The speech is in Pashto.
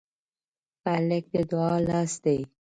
هلک د دعا لاس دی.